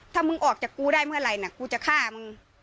ถ้ามึงออกจากกูได้เมื่อไหร่นะกูจะฆ่ามึง